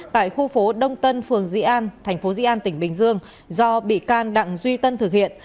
tại khu phố đông tân phường dĩ an thành phố di an tỉnh bình dương do bị can đặng duy tân thực hiện